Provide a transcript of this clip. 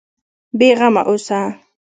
بېغمه اوسه.